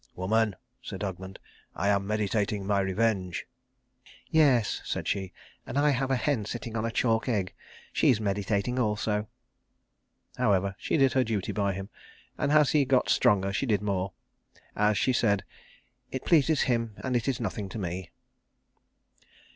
"Woman," said Ogmund, "I am meditating my revenge." "Yes," said she, "and I have a hen sitting on a chalk egg. She's meditating also." However, she did her duty by him, and as he got stronger she did more. As she said, "It pleases him, and is nothing to me."